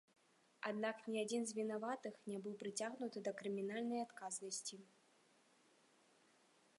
Аднак ні адзін з вінаватых ня быў прыцягнуты да крымінальнай адказнасці.